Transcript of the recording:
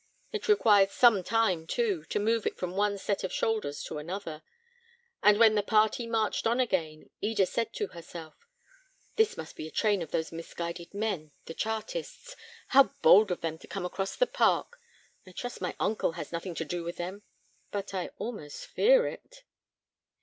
It required some time, too, to move it from one set of shoulders to another; and when the party marched on again, Eda said to herself, "This must be a train of those misguided men, the Chartists. How bold of them to come across the park! I trust my uncle has nothing to do with them; but I almost fear it."